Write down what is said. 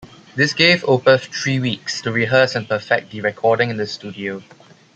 This gave Opeth three weeks to rehearse and perfect the recording in the studio.